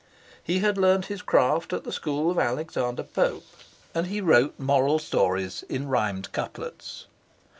He had learnt his craft at the school of Alexander Pope, and he wrote moral stories in rhymed couplets.